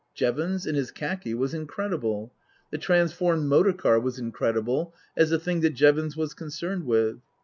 Jevons in his khaki was incredible. The transformed motor car was incredible, as a thing that Jevons was concerned with.